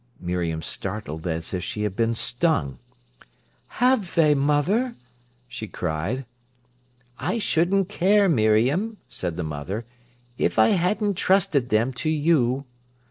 Miriam started as if she had been stung. "Have they, mother?" she cried. "I shouldn't care, Miriam," said the mother, "if I hadn't trusted them to you."